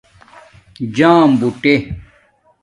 جام بُݸٹے